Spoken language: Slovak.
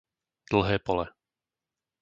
Dlhé Pole